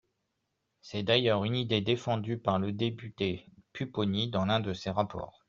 C’est d’ailleurs une idée défendue par le député Pupponi dans l’un de ses rapports.